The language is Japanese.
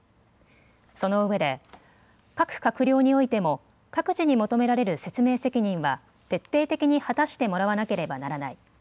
その上で、各閣僚においても、各自に求められる説明責任は徹底的に果たしてもらわなければならない。